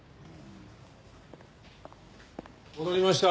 戻りました。